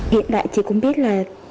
hiện tại chị cũng biết là